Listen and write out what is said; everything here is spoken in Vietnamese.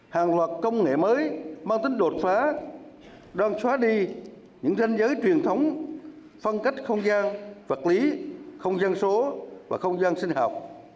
hàng loạt công nghệ mới mang tính đột phá đang xóa đi những danh giới truyền thống phân cách không gian vật lý không gian số và không gian sinh học